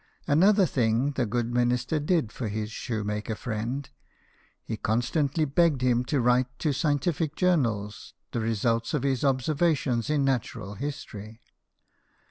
Another thing the good minister did for his shoemaker friend : he constantly begged him to write to scientific journals the results of his observa tions in natural history.